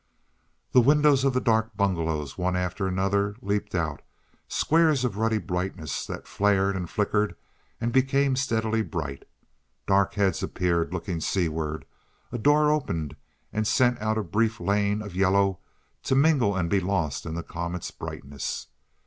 The windows of the dark bungalows, one after another, leapt out, squares of ruddy brightness that flared and flickered and became steadily bright. Dark heads appeared looking seaward, a door opened, and sent out a brief lane of yellow to mingle and be lost in the comet's brightness.